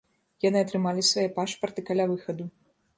Яны атрымалі свае пашпарты каля выхаду.